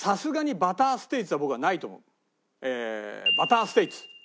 バターステイツ。